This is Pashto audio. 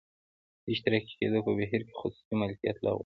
د اشتراکي کېدو په بهیر کې خصوصي مالکیت لغوه شو